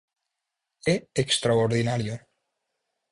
É extraordinario.